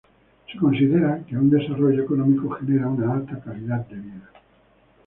Se considera que un desarrollo económico genera una alta calidad de vida.